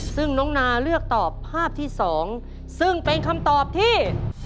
ซึ่งน้องนาเลือกตอบภาพที่๒ซึ่งเป็นคำตอบที่